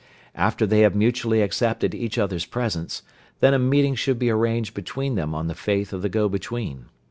After they have mutually accepted each other's presents, then a meeting should be arranged between them on the faith of the go between.